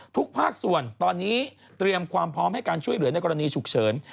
ทุกภาคส่วนตอนนี้เตรียมความพร้อมให้การช่วยเหลือในกรณีฉุกเฉิน